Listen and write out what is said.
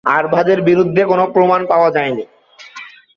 আরভাদের বিরুদ্ধে কোন প্রমাণ পাওয়া যায়নি।